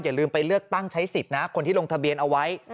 อย่าลืมไปเลือกตั้งใช้สิทธิ์นะคนที่ลงทะเบียนเอาไว้